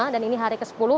dan ini hari ke sepuluh